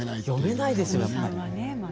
読めないですよね。